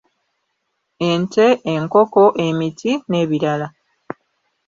Ente, enkoko, emiti, n'ebirala.